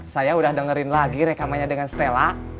saya udah dengerin lagi rekamannya dengan stella